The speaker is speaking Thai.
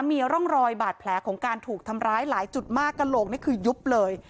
มีร่องรอยบาดแผลของการถูกทำร้ายหลายจุดมากกระโหลกนี่คือยุบเลย